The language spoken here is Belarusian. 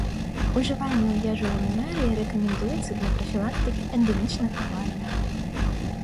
Ужыванне ў ежу ламінарыі рэкамендуецца для прафілактыкі эндэмічнага валля.